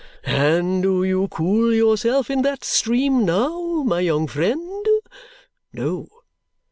And do you cool yourself in that stream now, my young friend? No.